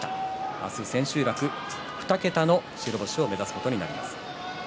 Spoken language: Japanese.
明日の千秋楽２桁の白星を目指すことになりますね。